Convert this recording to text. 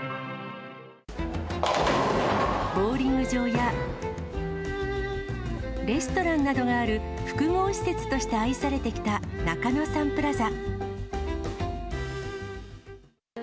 ボウリング場やレストランなどがある複合施設として愛されてきた中野サンプラザ。